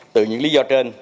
từ những lý do trên